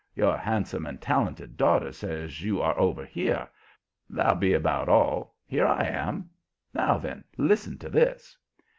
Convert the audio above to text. Your handsome and talented daughter says you are over here. That'll be about all here I am. Now, then, listen to this."